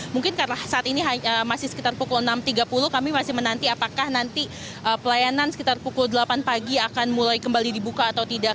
mungkin karena saat ini masih sekitar pukul enam tiga puluh kami masih menanti apakah nanti pelayanan sekitar pukul delapan pagi akan mulai kembali dibuka atau tidak